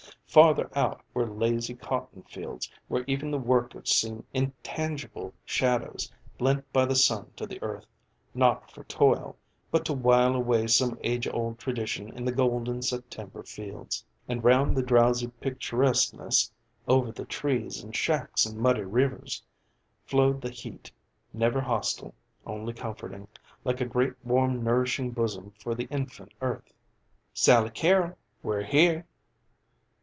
Farther out were lazy cotton fields where even the workers seemed intangible shadows lent by the sun to the earth, not for toil, but to while away some age old tradition in the golden September fields. And round the drowsy picturesqueness, over the trees and shacks and muddy rivers, flowed the heat, never hostile, only comforting, like a great warm nourishing bosom for the infant earth. "Sally Carrol, we're here!"